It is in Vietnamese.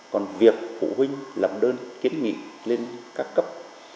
còn việc phụ huynh làm đơn kiến nghị lên các cấp